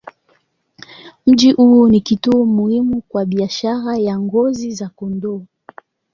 Mji huu ni kituo muhimu kwa biashara ya ngozi za kondoo.